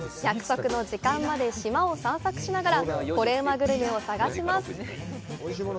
約束の時間まで島を散策しながらコレうまグルメを探します。